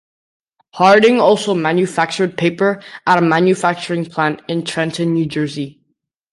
Harding also manufactured paper at a manufacturing plant in Trenton, New Jersey.